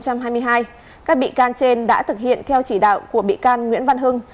các bị can trên đã thực hiện theo chỉ đạo của bị can nguyễn văn hưng